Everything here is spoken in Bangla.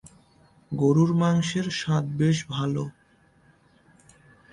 গরুর মাংসের স্বাদ বেশ ভালো।